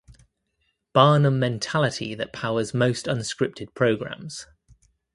Barnum mentality that powers most unscripted programs.